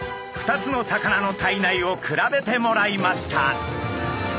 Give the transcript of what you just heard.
２つの魚の体内を比べてもらいました。